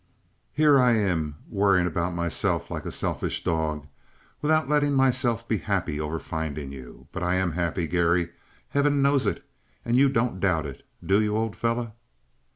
Here I am worrying about myself like a selfish dog without letting myself be happy over finding you. But I am happy, Garry. Heaven knows it. And you don't doubt it, do you, old fellow?"